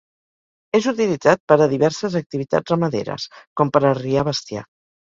És utilitzat per a diverses activitats ramaderes, com per arriar bestiar.